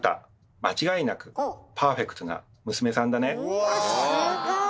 うわすごい！